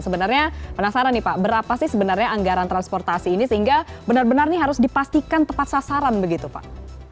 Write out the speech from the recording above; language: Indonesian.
sebenarnya penasaran nih pak berapa sih sebenarnya anggaran transportasi ini sehingga benar benar ini harus dipastikan tepat sasaran begitu pak